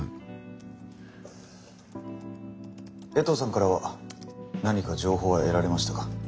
衛藤さんからは何か情報は得られましたか？